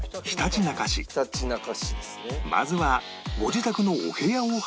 まずはご自宅のお部屋を拝見